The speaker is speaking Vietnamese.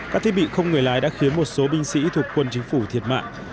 các thiết bị không người lái đã khiến một số binh sĩ thuộc quân chính phủ thiệt mạng